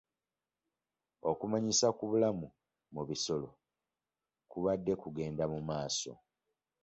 Okumanyisa ku bulamu mu bisolo kubadde kugenda mu maaso.